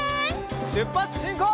しゅっぱつしんこう！